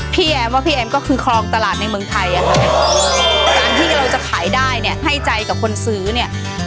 แอมว่าพี่แอมก็คือคลองตลาดในเมืองไทยอะค่ะการที่เราจะขายได้เนี่ยให้ใจกับคนซื้อเนี่ย